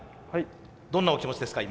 どんなお気持ちですか？